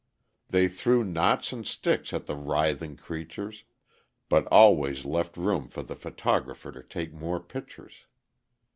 They threw knots and sticks at the writhing creatures, but always left room for the photographer to take more pictures.